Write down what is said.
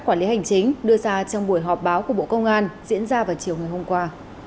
quản lý hành chính đưa ra trong buổi họp báo của bộ công an diễn ra vào chiều ngày hôm qua